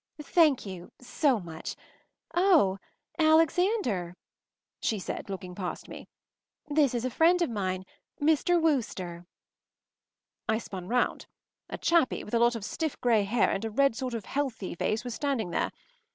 ” “Thank you, so much. Oh Alexander,” she said, looking past me, “this is a friend of mine—Mr. Wooster.” I spun round. A chappie with a lot of stiff grey hair and a red sort of healthy face was standing there.